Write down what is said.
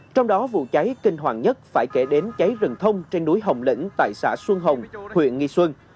trong đó vụ cháy kinh hoàng nhất phải kể đến cháy rừng thông trên núi hồng lĩnh tại xã xuân hồng huyện nghi xuân